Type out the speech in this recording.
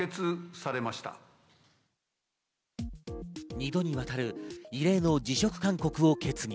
２度にわたる異例の辞職勧告を決議。